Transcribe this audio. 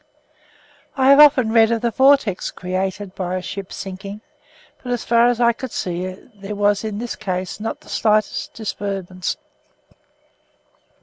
I have often read of the vortex caused by a ship sinking, but as far as I could see there was in this case not the slightest disturbance.